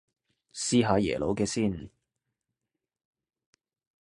試下耶魯嘅先